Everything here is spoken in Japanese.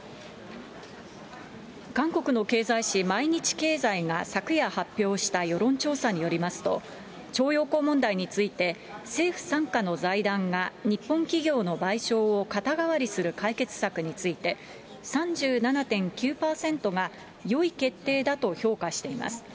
韓国の経済紙、毎日経済が昨夜発表した世論調査によりますと、徴用工問題について、政府傘下の財団が日本企業の賠償を肩代わりする解決策について、３７．９％がよい決定だと評価しています。